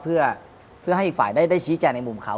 เพื่อให้อีกฝ่ายได้ชี้แจงในมุมเขา